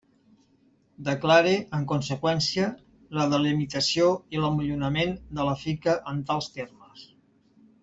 Declare, en conseqüència, la delimitació i l'amollonament de la finca en tals termes.